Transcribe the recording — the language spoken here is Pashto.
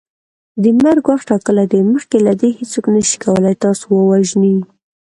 د مرګ وخت ټاکلی دی مخکي له دې هیڅوک نسي کولی تاسو ووژني